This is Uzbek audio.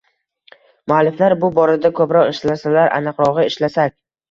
Mualliflar bu borada ko‘proq ishlasalar, aniqrog‘i, ishlasak